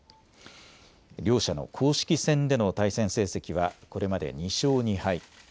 両者の公式戦での対戦成績はこれまで２勝２敗。